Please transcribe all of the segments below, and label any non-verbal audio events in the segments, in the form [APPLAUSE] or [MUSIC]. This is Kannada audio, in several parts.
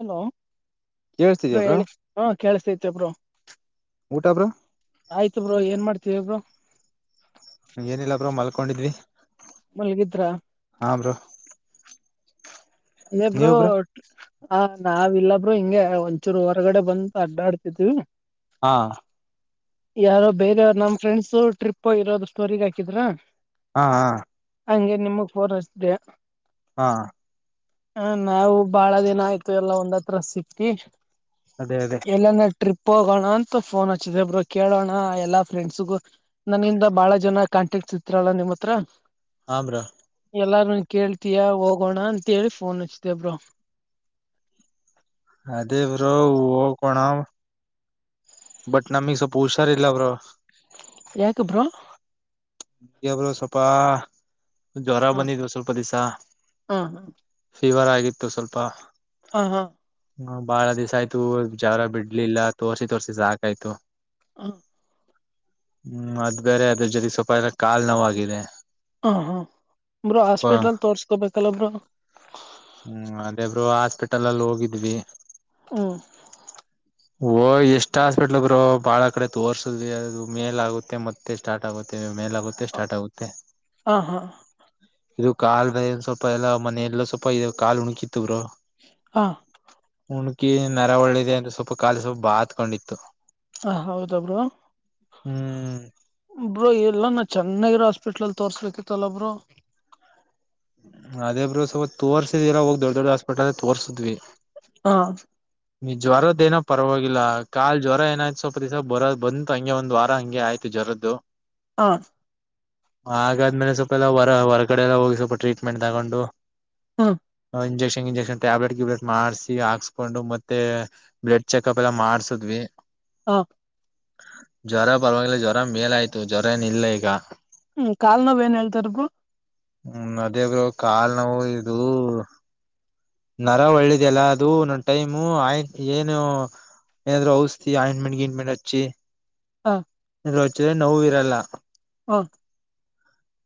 ಹಲೋ ಕೇಳ್ಸ್ತಿದ್ಯಾ ಬ್ರೋ ಹೇಳಿ ಹ ಕೇಳಸತೈತೆ ಬ್ರೋ ಊಟ ಬ್ರೋ ಆಯ್ತ ಬ್ರರು ಏನ್ ಮಾಡ್ತೀವಿ ಒಬ್ರು ಏನಿಲ್ಲಾಬ್ರ ಮಲ್ಕೊಂಡಿದ್ವಿ ಮಲ್ಗಿದ್ರ ನಮ್ರ ನ್ನೆಬ್ರು ಆ ನಾವ ಇಲ್ಲಾಬ್್ರರು ಹಿಂಗೆ ಒಂಚೂರು ಹೊರಗಡೆ ಬಂತ ಅಡ್ಡಾಡ್ತಿದ್ವಿ ಹಾ ಯಾರೋ ಬೇರೆ ನಮ್ ಫ್ರೆಂಡ್ಸ ಟ್ರಿಪ್ ಇರೋದ ಸ್ಟೋರ ಹಾಕಿದ್ರ ಹಾ ಹಾ ಹಂಗೆ ನಿಮಗ್ ೋರ್ಸ್ಯಾ ಹಾ ಹ ನಾವು ಬಾಳ ದಿನ ಆಯ್ತು ಎಲ್ಲ ಒಂದ್ತ್ರ ಸಿಕ್ಕಿ ಅದೇ ಅದೇ ಎಲ್ಲಾನ ಟ್ರಿಪ್ ಹೋಗೋಣ ಅಂತ ಫೋನ್ ಹಚ್ಚಿದಬ್ರು ಕೇಳೋಣ ಎಲ್ಲಾ ಫ್ರೆಂಡ್ಸ್ಗು ನನಂದ ಬಹಳ ಜನ ಕ ಕಂಟಕ್ ಚಿತ್ರ ಅಲ್ಲ ನಿಮ್ಮ ಹತ್ರ ಹಮ್ರ ಎಲ್ಲಾರು ಕೇಳ್ತಯ ಹೋಗೋಣ ಅಂತೇಳಿ ಫೋನ್ ಹಚ್ತೇಬ್ರ ಅೇ ಬ್ರೋ ಕೊಣ ಬಟ್ ನಾಮೀ ಸ ಹುಷಾರ ಇಲ್ಲ ಅವರ ಎಯಾಕಬ್ರೋ ಈ ಬರ ಸಪಾ ಜ್ವರ ಹ ಬಂದಿದ್ು ಸ್ವಲ್ಪ ದಿವಸ ಹ ಫೀವರ್ ಆಗಿತ್ತು ಸ್ವಲ್ಪ ಹ ಹಾ ಹ ಬಾಳ ದಿವ್ ಆಯ್ತು ಜಾವರ ಬಿಡ್ಲಿಲ್ಲ ತೋರ್ಸಿ ತೋರ್ಸಿ ಜಾಕ ಆಯ್ತು ಹಾ ಹ್ಮ್ ಅದು ಬೇರೆ ಅದ್ರ ಜೊತೆ ಸ್ವಲ್ಪ ಎಲ್ಲ ಕಾಲ್ ನೋಾಗಿದೆ ಹಾ ಹಾ ಬ್ರರು ಹಾಸ್ಪಿಟ್ಲ್ಲ್ ತೋರ್ಸ್ಕೊಬೇಕಲ್ಲಬ್ರ ಲಲ್ಲಿ ಹೋಗಿದ್ವಿ ಹ್ಮ್ ಓ ಎಷ್ಟ್ ಹಾಸ್ಪಿಟ್ಲ್ಗರು ಬಾಳ ಕಡೆ ತೋರ್ಸುದ್ ಅದು ಮೇಲ ಆಗುತ್ತೆ ಮತ್ತೆ ಸ್ಟಾರ್ಟ್ ಆಗುತ್ತೆ ತ್ತ ಮೇಲ ಕೊತ್ತ ಸ್ಟಾರ್ಟತ್ತ ಹ ಹಾ ಇದು ಕಾಲ್ಏನ್ ಸ್ವಲ್ಪ ಎಲ್ಲಾ ಮನೆಯಲ್ಲ ಸ್ವಲ್ಪ ಕಾಲ್ ಉುಣಕಿತ್ವರು ಹಾ ಹುಣಕಿ ನರ ಒಳ್ಳಿದೆ ಅಂತ ಸ್ವಲ್ಪ ಕಾಲಿ ಸ್ವಲ್ಪ ಬಾತ್ಕೊಂಡಿತ್ತು ಹ ಹೌದಬ್ರು ಹ್ಮ್ ಒಬ್ರು ಎಲ್ಲ ನ ಚೆನ್ನಾಗಿರೋ ಹಾಸ್ಪಿಟ್ಲ್ ಅಲ್ಲಿ ತೋರ್ಸ್ಬೇಕಿತ್ತಲ್ಲ ಒಬ್ರು ಅದೇ ಬ್ರರು ಸ್ವಲ್ಪ ತೋರ್ಸಿದ್ಲ್ಲ ಹೋಗ್ ದೊಡ್ ದೊಡ್ಡಾಸ್ಪಟ್ಲ್ ತೋರ್ಸಿದ್ವಿ ಹಾ ನೀ ಜ್ವರದ ಏನೋ ಪರವಾಗಿಲ್ಲ ಕಾ ಜ್ವರ ಏನಾಯ್ತ ಸ್ವಪತಿಸ ಬರ ಬಂತತ್ ಹಂಗೆ ಒಂದ್ ವಾರ ಹಂಗೆ ಆಯ್ತಿತಿ ಜರ್ದು ಆ ಹಾಗಾದ್ಮೇಲೆ ಸ್ವಲ್ಪ ಎಲ್ಲ ಹೊರ ಹೊರಗಡೆ ಎಲ್ಲ ಹೋಗಿ ಸ್ವಲ್ಪ ಟ್ರೀಟ್ಮೆಂಟ್ ತಗೊಂಡು ಹಾ ಇಂಜೆಕ್ಷನ್ ಇಂಜೆಕ್ಷನ್ ಟ್ಯಾಬ್ಲೆಟ್್ಯಬ್ಲೆಟ್ ಮಾಡಸ ಹಾಕ್ಸ್ಕೊಂಡು ಮತ್ತೆ ಬ್ಲಡ್ ಚೆಕಪ್ ಎಲ್ಲ ಮಾಡ್ಸದ್ವಿ ಹಾ ಜ್ವರ ಪರವಾಗಿಲ್ಲ ಜ್ವರ ಮೇಲ ಆಯ್ತು ಜ್ವರ ಏನ ಇಲ್ಲ ಈಗ ಹ್ಮ್ ಕಾಲ್ ನವ್ ಏನ್ ಹೇಳ್ತಾರಬರು ಹ್ಮ ನದಿಯಾಗ ಕಾಲ್ ನೋವು ಇದು ನರ ಒಳ್ಳಿದಲ್ಲ ಅದು ನನ್ ಟೈಮು ಆಯ ಏನು ಏನಾದ ಔಸ್ಿ ಆಮೆಂಟ್ ಗಿಮೆಂಟ್ ಅಿ ಹಾ ರೋಚ ನೋವು ಇರಲ್ಲ ಹ್ಮ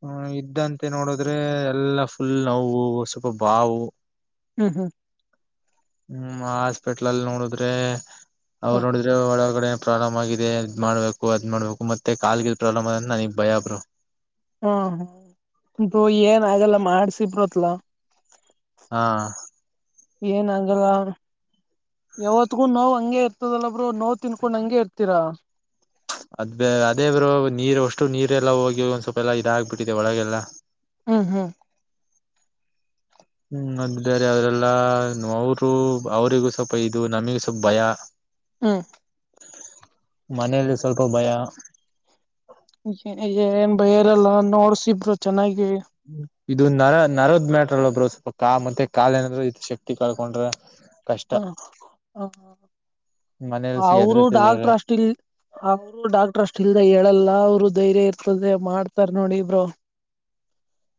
ಹ್ಮ ಇದ್ದಂತೆ ನೋಡದ್ರೆ ಎಲ್ಲಾ ಫುಲ್ ನೋವು ಸ್ವಲ್ಪ ಬಾವು ಹ್ಮ್ ಹ್ಮ್ ಹ್ಮ್ ಹಾಸ್ಪಿಟ್ಲ್ ಅಲ್ಲಿ ನೋಡಿದ್ರೆ ಹ ಅವ್ರು ನೋಡಿದ್ರೆ ಒಳಗಡೆ ಪ್ರಾಬ್ಲಮ್ ಆಗಿದೆ ಅದ್ ಮಾಡ್ಬೇಕು ಅದ್ ಮಾಡ್ಬೇಕು ಮತ್ತೆ ಕಾಲಲ್ಗೆ ಪ್ರಾಬ್ಮ್ ನನಗ್ ಭಯಬ್ರು ಹಾ ಹು ಏನಾಗಲ್ಲ ಮಾಡ್ಸಿ ಬ್ರೋತ್ಲ ಹಾ ಏನಾಗಲ್ಲ ಯಾವತ್ಗೂ ನೋವು ಹಂಗೆ ಇರ್ತದಲ್ಲಬ್ರರು ನೋವ ತಿನ್ಕೊಂಡ್ ಹಂಗಗೆ ಇರ್ತೀರಾ ಅದ್ ಅದೇ ಬರು ನೀರ್ ಅಷ್ಟು ನೀರೆಲ್ಲ ಹೋಗಿ ಒಂದ್ ಸ್ವಲ್ಪ ಎಲ್ಲ ಇದಾಗಬಿಟ್ಟಿದೆ ಒಳಗೆಲ್ಲ ಹ್ಮ ಹಾ್ ಹ್ಮ್ ಅದು ಬೇರೆ ಅವ್ರೆಲ್ಲಾ ಅವರು ಅವರಿಿಗೂ ಸ್ವಲ್ಪ ಇದು ನಮಿಗೂ ಸ್ವಲ್ಪ ಭಯ ಹ್ಮ್ ಮನೇೆಯಲ್ಲಿ ಸ್ವಲ್ಪ ಭಯ ಏನ್ ಬಯರಲ್ಲ ನೋಡ್ಸಿಬರು ಚೆನ್ನಾಗಿ ಹ್ಮ್ ಇದು ನರ ನರದ್ ಮ್ಯಾಟ್ರ ಅಲ್ಲೊಬ್ರರು ಸ್ವಲ್ಪ ಕಾ ಮತ್ತೆ ಕಾ ಏನಾದ್ರರು ಇದ ಶಕ್ತಿ ಕಳ್ಕೊಂಡ್ರ ಹಾ ಹಾ ಮನೇಲಿ ಅವರು ಎದರುತಿದ್ದಾರೆ ಡಾಕ್ಟರ್ ಅಷ್ಟ ಇಲ್ ಅವರು ಡಾಕ್ಟರ್ ಅಷ್ಟ ಇಲ್ದ ಹೇಳಲ್ಲ ಅವರು ಧೈರ್ಯ ಇರ್ತದೆ ಮಾಡ್ತಾರ ನೋಡಿ ಇಬ್ರು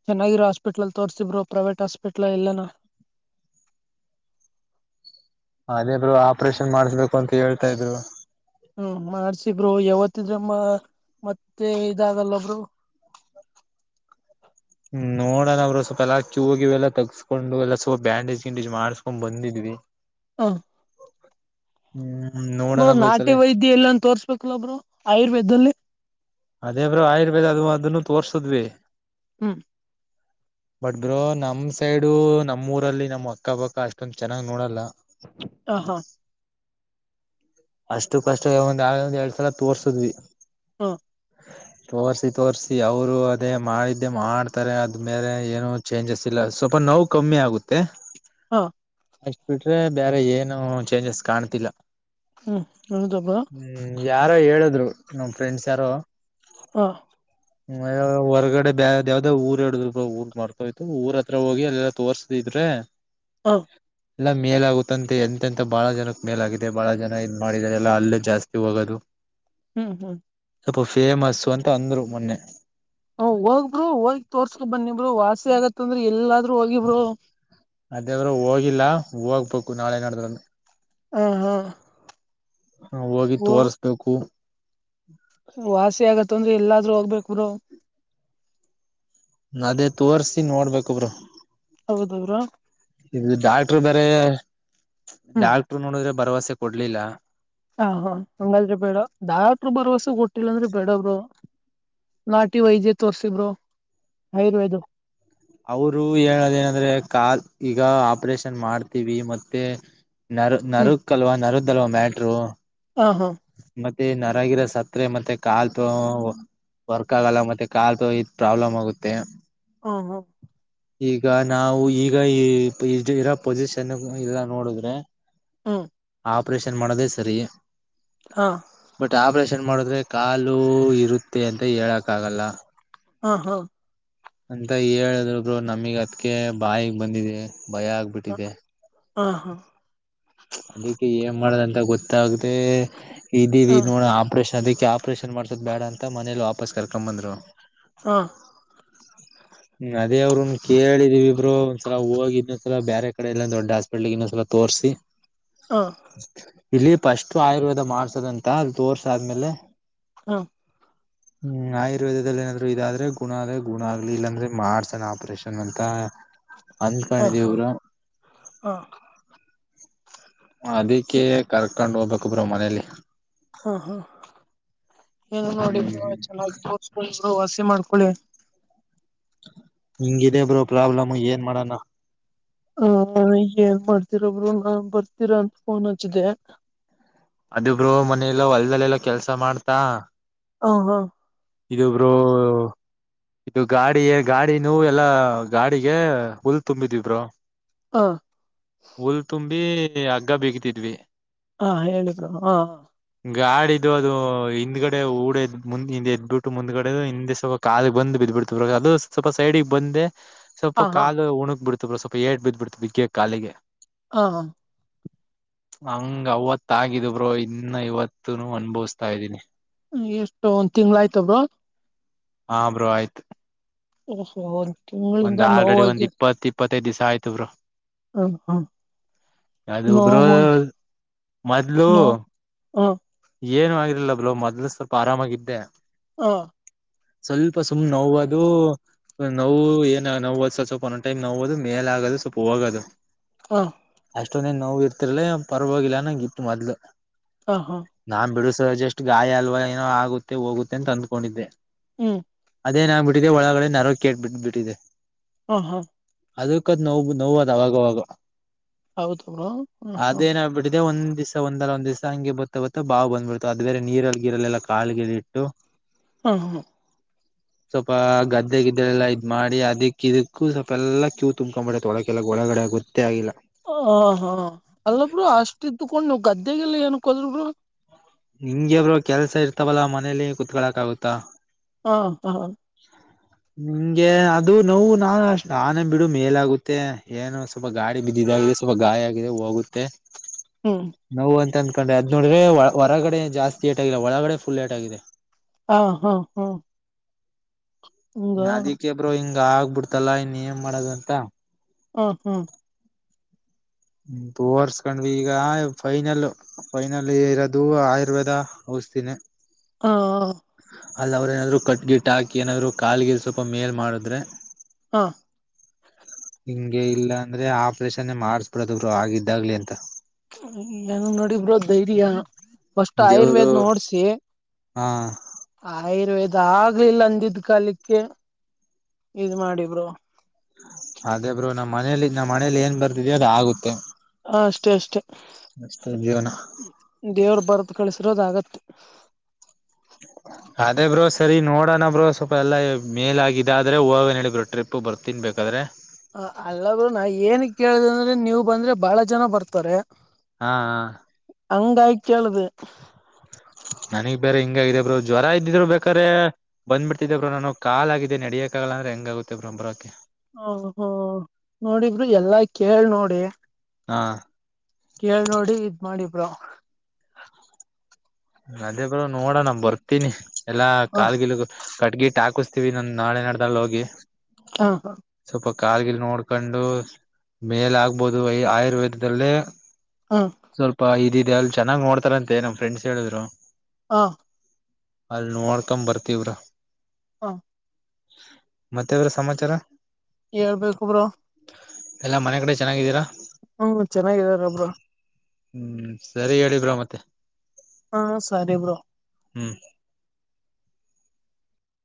ಚೆನ್ನಾಗಿರೋ ಹಾಸ್ಪಿಟ್ಲ್ಲ್ ತೋರ್ಸ್ತಿಿದರು ಪ್ರೈವೇಟ್ ಹಾಸ್ಪಿಟ್ಲ್ ಎಲ್ಲನ ಹಾ ಅದೇಬ್ರು ಆಪರೇಷನ್ ಮಾಡ್ಸ್ಬೇಕು ಅಂತ ಹೇಳ್ತಾ ಇದ್ರು ಹ್ಮ್ ಮಾಡ್ಸಿಬರು ಯಾವತ್ತ ಇದ್ರಮ್ಮ ಮತ್ತೆ ಇದಾಗಲ್ಲೊಬ್ರು ಹಾ ಹ್ಮ್ ನೋಡೋಣ ಅವರು ಸ್ವಲ್ಪ ಎಲ್ಲಾ ಕ ಹೋಗಿ ಎಲ್ಲ ತಗಸ್ಕೊಂಡು ಎಲ್ಲಾ ಸ್ವಪ ಬ್ಯಾಂಡೇಜ್ ಗಿಂಡೇಜ್ ಮಾಡ್ಸ್ಕೊಂಡ್ ಬಂದಿದ್ವಿ ಹಾ ಹ್ಮ್ ಬ ನೋಡೋಣ ಬ್ರೋ ಈ ನಾಟಿ ಸಲಿ ವೈದ್ಯ ಎಲ್ಲನ್ ತೋರ್ಸ್ಬೇಕಲಬ್್ರರು ಆಯುರ್ವೇದದಲ್ಲಿ ಅದೇ ಬ್ರ ಆಯುರ್ವೇದ ಅದು ಅದನ್ನು ತೋರ್ಸದ್ವಿ ಹ್ಮ್ ಬಟ್ ಬ್ರೋ ನಮ್ ಸೈಡು ನಮ್ಮ್ ಊರಲ್ಲಿ ನಮ್ಮ್ ಅಕ್ಕಬಕ್ಕ ಅಷ್ಟೊಂದ ಚೆನ್ನಾಗ್ ನೋಡಲ್ಲ ಹ ಹಾ ಅಷ್ಟು ಕಷ್ಟ ಒಂದ ಒಂದ್ ಎರಡ್ ಸಲ ತೋರ್ಸದ್ವಿ ಹಾ ತೋಸ್ರಿ ತೋ ಸ್ರಿಅವರು ಅದೇ ಮಾಡಿದ್ದೆ ಮಾಡ್ತಾರೆ ಅದ ಮೇಲೆ ಏನು ಚೇಂಜಸ್ ಇಲ್ಲ ಸ್ವಲ್ಪ ನೋವು ಕಮ್ಮಿ ಆಗುತ್ತೆ ಹಾ ಅಷ್ಟ ಬಿಟ್ರೆ ಬೇರೆ ಏನು ಚೇಂಜಸ್ ಕಾಣ್ತಿಲ್ಲ ಹ್ಮ್ ಹೌದ ಬ್ರೋ ಹ್ಮ್ ಯಾರೋ ಹೇಳಿದ್ರು ನಮ ಫ್ರೆಂಡ್ಸ್ ಯಾರೋ ಹಾ ಹೊರಗಡೆ ಬಾವ ಯಾವ್ದಾವ ಊರ್ರ ಹೇಳಡಿದ್ ಊರ್ ಮತೋಯ್ತು ಊರ ಹತ್ರ ಹೋಗಿ ಎಲ್ಲ ತೋರ್ಸತಿದ್ರು ಹಾ ಹ ಎಲ್ಲ ಮೇಲಾಗುತ್ತಂತೆ ಎಂತೆಂತ ಬಾಳ ಜನಕ್ ಮೇಲಾಗಿದೆ ಬಹಳ ಜನ ಇದನ್ ಮಾಡಿದಿದ್ದಾರೆ ಎಲ್ಲ ಅಲ್ಲೇ ಜಾಸ್ತಿ ಹೋಗೋದು ಹ್ಮ್ ಹ್ಮ್ ಸ್ವಲ್ಪ ಫೇಮಸ್ ಅಂತ ಅಂದ್ರು ಮೊನ್ನೆ ಹ ಹೋಗಬರು ಹೋಗಿ ತೋರ್ಸ್ಕೊ ಬನ್ನಿಬರು ವಾಸಿ ಆಗತ್ತಂದ್ರ ಎಲ್ಲಾದ್ೂ ಹೋಗಿಬರು ಅದೇವರು ಹೋಗಿಲ್ಲಾ ಹೋಗ್ಬೇಕು ನಾಳೆ ನಡಿದ್್ರನು ಹಾ ಹಾ ಹ ಹೋಗಿ ಓ ತೋರ್ಸ್ಬೇಕು ವಾಸಿ ಆಗತ್ತ ಅಂದ್ರೆ ಎಲ್ಲಾದ್ಹೋಗ್ಬೇಕರು ಅದೇ ತೋರ್ಸಿ ನೋಡ್ಬೇಕೊಬ್ರು ಹೌದು ಬ್ರೋ ಇದು ಡಾಕ್ಟ್ರ ಬೇರೆ ಹ್ಮ್ ಡಾಕ್ಟರ್ ನೋಡಿದ್ರೆ ಭರವಸೆ ಕೊಡ್ಲಿಲ್ಲ ಹ ಹಾ ಹಂಗಾದ್ರಿ ಬೇಡ ರು ಭರವಸೆ ಕೊಟ್ಟಿಲ್ಲಂದ್ರಿ ಬೇಡಬ್ರು ನಾಟಿ ವೈದ್ಯ ತೋರ್ಸಿಬರು ಆಯುರ್ವೇದ ಅವರು ಹೇಳದ ಏನಂದ್ರೆ ಕಾಲ್ ಈಗ ಆಪರೇಷನ್ ಮಾಡ್ತೀವಿ ಮತ್ತೆ ನ ಹ್ಮ್ ನರಕ್ಕಲ್ವಾ ನರದಲ್ವ ಮ್ಯಾಟರು ಹ ಹಾ ಮತ್ತೆ ಗಿರ ಸತ್ರೆ ಮತ್ತೆ ಕಾಲ್ ತ ವರ್ಕ್ ಆಗಲ್ಲ ಮತ್ತೆ ಕಾಲ್ ಇದ ಪ್ರಾಬ್ಲಮ್ ಆಗುತ್ತೆ ಹಾ ಹಾ ಈಗ ನಾವು ಈಗ ಈ ಇರೋ ಪೊಸಿಷನ್ ಇಲ್ಲ ನೋಡಿದ್ರೆ ಹಾ ಆಪರೇಷನ್ ಮಾಡದೇ ಸರಿ ಹಾ ಬಟ್ ಆಪರೇಷನ್ ಷನ್ ಮಾಡಿದ್ರೆ ಕಾಲು ಇರುತ್ತೆ ಅಂತ ಹೇಳಕ್ ಆಗಲ್ಲ ಹಾ ಹಾ ಅಂತ ಹೇಳಿದ್ಬ್ರು ನಮಗ ಅದ್ಕ ಬಾಯಗ್ ಬಂದಿದೆ ಭಯ ಆಗ್ಬಿಟ್ಟಿದೆ ಆಾ ಹಾ ಅದಕ್ಕೆ ಏನ್ ಮಾಡದಂತ ಗೊತ್ತಾಗದೆ ಇದೀವಿ ಹಾ ನೋಡ ಆಪ್ರೇಷನ್ ಅದಕ್ಕೆ ಆ ಆಪರೇಷನ್ ಮಾಡ್ಸೋ ಬೇಡ ಅಂತ ಮನೇಲಿ ವಾಪಸ್ ಕರ್ಕೊಂಡ್ ಬಂದ್ರು ಹಾ ಹ್ಮ್ ಅದೇ ಅವ್ನ್ ಕೇಳಿದ್ವಿಬ್ರು ಒಂದ್ಸಲ ಹೋಗ ಇನ್ನೊಂದ್ಸಲ ಬೇರೆ ಕಡೆ ಇಲ್ಲಂದ ದೊಡ್ ಹಾಸ್ಪಿಟ್ಲ್ಗೆ ಇನ್ನೊಂದ್ಸಲ ತುಷ ಹ ಇಲ್ಲಿ ಫಸ್ಟ್ ಆಯುರ್ವೇದ ಮಾಡ್ಸದಂತ ಅಲ್ಲಿ ತೋರ್ಸಾದ್ಮೇಲೆ ಹಾ ಹ್ಮ್ ಆಯುರ್ವೇದದಲ್ಲಿ ಏನಾದ್ರು ಇದಾದ್ರೆ ಗುಣ ಅ ಗುಣ ಆಗ್ಲಿ ಇಲ್ಲಾಂದ್ರೆ ಮಾಡ್ಸಣ ಆಪ್ರೇಷನ್ ಅಂತ ಅಂದಕೊಂಡಿದೀ ಹಾ ಇರು ಹಾ ಅದಕ್ಕೆೇ ಕರ್ಕೊಂಡ್ ಹೋಗ್ಬೇಕಬ್ರು ಮನೇಲಿ ಹಾ ಹಾ ಏನು ನೋಡಿ ಹ್ಮ್ ಚೆನ್ನಾಗಿ ತೋಡ ವಾಸಿ ಮಾಡ್ಕೊಳ್ಳಿ ಹಿಂಗಿದೆ ಬ್ರೋ ಪ್ರಾಬ್ಲಮ್ ಏನ್ ಮಾಡಣ ಹ ಏನ್ ಮಾಡ್ತೀರೊಬ್ರು ನಾನ್ ಬರ್ತೀರಾ ಅಂತ ಫೋನ್ ಹಚ್ಚಿದೆೆ ಅದುಬ್ರು ಮನೆಯಲ್ಲ ಹೊಲ್ದಲ್ಲೆಲ್ಲ ಕೆಲ್ಸ ಮಾಡ್ತಾ ಹ ಹಾ ಇದು ಬ್ರೋ ಇದು ಗಾಡಿಯೆ ಗಾಡಿದೂ ಎಲ್ಲಾ ಗಾಡಿಗೆ ಹುಲ್ ತುಂಬಿದಿವ್ ಬ್ರೋ. ಹ ಹಊಲ್ ತುಂಬಿ ಹಗ್ಗ ಬೇಕತಿದ್ವಿ ಹಾ ಹೇಳಿದ್ರು ಹಾ ಗಾಡಿದು ಅದು ಹಿಂದ್ಗಡೆ ಊಡ ಎದ್ ಮುಂದ್ ಹ ಎದ್ದಬಿಟ್ಟು ಮುಂದ್ಗಡೆ ಹಿಂದೆ ಸ್ವಲ್ ಕಾಲ ಬಂದ್ ಬು ಬಿಡ್ತ ಅದು ಸ್ವಲ್ಪ ಸೈಡಿಗೆ ಬಂದೆ ಹಾ ಸ್ವಲ್ಪ ಹಾ ಕಾಲು ಉಣುಕ್ ಬಿಡ್ತವ್ರ ಸ್ವಲ್ಪ ಏಟ್ ಬಿದ್ದ್ ಬಿಡ್ತವಿ ಬಿಗ್ಗ ಕಾಲಿಗೆ ಹಾ ಹಾ ಹಂಗ ಅವತ್ತಗಿದ ಬ್ರೋ ಇನ್ನ ಇವತ್ತುನು ಅನ್ಭವಿಸಸ್ತಾ ಇದ್ದೀನಿ ಎಷ್ಟು ಒಂದ್ ತಿಂಗಳ ಆಯ್ತಬ್ರ ಹ ಬ್ರೋ ಆಯ್ತು ಒಂದ್ ತಿಂಗಳಿಂದ ನೋವಾಗಿ ಮತ್ತೇ ದಿಸ ಆಯ್ತು ಬ್ರೋ ಹ್ಮ್ ಹ್ಮ್ ಅದು ಬ್ರೋ ನೋವಾಗಿ ಮೊದ್ಲು ನೋ ಹ ಏನು ಆಗಿರ್ಲಿಲ್ಲ ಬ್ರೋ ಮೊದ್ಲು ಸ್ವಲ್ಪ ಆರಾಮಾಗಿದ್ದೆ. ಹಾ ಸ್ವಲ್ಪ ಸುಮ್ ನೋವದು ನೋವು ಏನ ನೋವ ಸ್ ಸ್ವಲ್ಪ ಒಂದ್ ಟೈಮ್ ನೋವದು ಮೇಲೆ ಆಗದು ಸ್ವಲ್ಪ ಹೋಗದು. ಹಾ ಅಷ್ಟೊಂದೇನ್ ನೋವು ಇರ್ತಿರ್ಲ ಪರವಾಗಿಲ್ಲ ಅನ್ನಂಗಿತ್ತು ಮೊದ್ಲು. ಹ ಹಾ ನಾನ್ ಬಿಡಿ ಸರ್ ಜಷ್ಟ್ ಗಾಯ ಅಲ್ವಾ ಏನೋ ಆಗುತ್ತೆ ಹೋಗುತ್ತೆ ಅಂತ ಅಂದ್ಕೊಂಡಿದ್ದೆ. ಹ್ಮ್ ಅದೇನ್ ಆಗ್ಬಿಟ್ಟಿದೆ ಒಳಗಡೆ ನರ್ವ್ಕೇಟ್ ಬಿಟ್ಬ ಬಿಟ್ಟಿದೆ. ಹಾ ಹಾ ಅದಕ್ಕದ್ ನೋವ್ ನೋವ್ವದ್ ಅವಾಗವಾಗ, ಹೌದು ಬ್ರೋ ಹ್ಮ್ ಹ್ಮ್ ಅದೇನಾಗಬಿಟ್ಟಿದೆ ಒಂದ್ ದಿಸ ಒಂದಲ್ಲ ಒಂದ್ ದಿಸ ಹಂಗೆ ಬತ್ತ ಬತ್ತ ಬಾವು ಬಂದ್ಬಿಡ್ತು ಅದ್ಬೇರೆ ನೀರಲ್ಗೀರಲೆಲ್ಲ ಕಾಲ್ಗೀಟ್ಟು ಹಾ ಹಾ ಸ್ವಲ್ಪ ಗದ್ದೆ ಗಿದ್ದೆಲೆಲ್ಲ ಇದ್ ಮಾಡಿ ಅದಿಕ್ಕಿದುಕ್ಕೂ ಸ್ವಲ್ಪೆಲ್ಲ ಕ್ಯೂ ತುಂಬ್ಕೊಂಬಿಡತ್ತೖ ಒಳಕೆಲ್ಲ ಒಳಗಡೆ ಆಗುತ್ತೆ ಹ ಹಾ ಅಲ್ಲ ಬ್ರೋ ಅಷ್ಟಿದ್ದುಕೊಂಡ್ ನೀವ್ ಗದ್ದೆಗೆಲ್ಲ ಏನಕ್ಕೋದ್ರಿ ಬ್ರೋ? ಹಿಂಗೆ ಬ್ರೋ ಕೆಲ್ಸ ಇರ್ತಾವಲ್ಲಾ ಮನೇಲಿ ಕೂತ್ಕಳಕ್ ಆಗುತ್ತಾ? ಹಾ ಹಾ ನಿಂಗೆ ಅದು ನೋವು ನಾ ಅಷ್ಟ ನಾನೇ ಬಿಡು ಮೇಲಾಗುತ್ತೆ ಏನು ಸ್ವಲ್ಪ ಗಾಡಿ ಬಿದ್ದಿದಾಗ ಸ್ವಲ್ಪ ಗಾಯ ಆಗಿದೆ ಹೋಗುತ್ತೆ ಹ್ಮ್ ನೋವು ಅಂತ ಅಂದಕೊಂಡೆ ಅದ್ ನೋಡ್ರೆ ಹೊರಗಡೆ ಏನ್ ಜಾಸ್ತಿ ಏಟ್ ಆಗಿಲ್ಲ ಒಳಗಡೆ ಫುಲ್ ಏಟ್ ಆಗಿದೆ. ಹಾ ಹಾ ಹಾ ಹಂಗ ಅದಿಕ್ಕೆ ಬ್ರೋ ಹಿಂಗ ಆಗ್ಬಿಡ್ತಲ್ಲಾ ಇನ್ ಏನ್ ಮಾಡೋದು ಅಂತ ಹ ಹ್ಮ ತೋರ್ಸ್ಕೊಂಡ್ವಿ ಈಗ ಫೈನಲ್ಲು ಫೈನಲೀ ಇರೋದು ಆಯುರ್ವೇದ ನ ಹಾ ಅಲ್ಲಿ ಅವ್ರ್ ಏನಾದ್ರು ಕಟ್ ಗಿಟ್ ಹಾಕಿ ಏನಾದ್ರು ಕಾಲ್ಗೀಲ್ ಸ್ವಲ್ಪ ಮೇಲ್ ಮಾಡಿದ್ರೆ ಹಾ ಹಿಂಗೆ ಇಲ್ಲ ಅಂದ್ರೆ ಆಪ್ರೇಷನ್ನೇ ಮಾಡಸ್ಬಿಡದು ಬ್ರೋ ಆಗಿದ್ದಾಗ್ಲಿ ಅಂತ. ನ ನೋಡಿಬ್ರೋ ಧೈರ್ಯ ಫಸ್ಟ್ ದೇವ್ರು ಆಯುರ್ವೇದ್ ನೋಡ್ಸಿ ಹಾ ಆಯುರ್ವೇದ ಆಗ್ಲಿಲ್ಲ ಅಂದಿದ್ದ್ ಕಾಲಕ್ಕೆ ಇದ್ ಮಾಡಿ ಬ್ರೋ ಅದೇ ಬ್ರೋ ನಮ್ಮ್ ಮನೇಲಿ ನಮ್ಮ್ [UNINTELLIGIBLE] ಆಗುತ್ತೆ ಹ ಅಷ್ಟೇ ಅಷ್ಟೇ ಅಷ್ಟೇ ಜೀವನ ದೇವ್ರ್ ಬರ್ದು ಕಳಸ್ ಇರೋದಾಗತ್ತ್, ಅದೇ ಬ್ರೋ, ಸರಿ ನೋಡೋಣ ಬ್ರೋ, ಸ್ವಲ್ಪ ಎಲ್ಲಾ ಮೇಲಗಿದಾದ್ರೆ ಹೋಗಗ ಹೇಳಿಬ್ರೋಟ್ರಿಪ್ ಬರ್ತವಿ. ತಿನ್ಬೇಕಾದ್ರೆ, ಹ ಅಲ್ಲ ಗುರು ನಾ ಏನ್ ಕೇಳ್ದೆ ಅಂದ್ರೆ ನೀವ್ ಬಂದ್ರೆ ಬಹಳ ಜನ ಬರ್ತಾರೆ. ಹಾ ಹಾ ಹಂಗಾಗ್ ಕೇಳ್ದೆ. ನನಗ್ ಬೇರೆ ಹಿಂಗಾಗಿದೇ ಬ್ರೋ ಜ್ವರ ಇದ್ದಿದ್ರೆ ಬೇಕಾದ್ರೆ ಬಂದ್ಬಿಟ್ತಿದ್ದೇ ಬ್ರೋ ನಾನು ಕಾಲಾಗಿದೆ ನಡಿಯಕಾ ಅಲ್ಲಂದ್ರೆ ಹೆಂಗಾಗುತ್ತೆ ಬ್ರೋ ಬರೋಕೆ? ಹ ಹೋ ನೋಡಿ ಬ್ರೋ ಎಲ್ಲಾ ಕೇಳ್ ನೋಡಿ ಹಾ ಕೇಳ್ ನೋಡಿ ಇದ್ ಮಾಡಿ ಬ್ರೋ. ಅದೇ ಬ್ರೋ ನೋಡನಾ ಬರ್ತೀನಿ ಎಲ್ಲಾ ಹ ಕಾಲ್ಗೀಗ್ ಕಟ್ಗಿಟ್ಟ್ ಹಾಕಿಸಸ್ತೀವಿ ನಂ ನಾಳೆ ನಡ್ದಲ್ಲಿ ಹೋಗಿ ಹಾ ಹಾ [INAUDIBLE] ಸ್ವಪ [UNINTELLIGIBLE] ಕಾಲ್ಗಿಲ್ ನೋಡ್ಕೊಂಡು ಮೇಲ ಆಗ್ಬೋದು ಆಯುರ್ವೇದಲ್ಲಿ. ಹ ಸ್ವಲ್ಪ ಇದಿದೆ ಅಲ್ಲಿ ಚೆನ್ನಾಗ್ ನೋಡ್ತಾರಂತೆ ನಮ್ ಫ್ರೆಂಡ್ಸ್ ಹೇಳಿದ್ರು. ಹಾ [INAUDIBLE] ಅಲ್ ನೋಡ್ಕಂ ಬರ್ತಿವಿ ಬ್ರೋ, ಹಾ [INAUDIBLE] ಮತ್ತೆದರದ ಸಮಾಚಾರ. ಹೇಳ್ಬೇಕ ಬ್ರೋ, ಎಲ್ಲಾ ಮನೆ ಕಡೆ ಚೆನ್ನಾಗಿದ್ದೀರಾ... ಹ್ಮ ಚೆನ್ನಾಗಿದಾರ ಬ್ರೋ ಹ್ಮ್, ಸರಿ ಹೇಳಿ ಬ್ರೋ ಮತ್ತೆ, ಹಾ, ಸರಿ ಬ್ರೋ,, ಹ್ಮ್,